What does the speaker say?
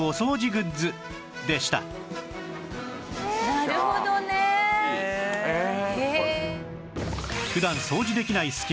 なるほどね！へえ！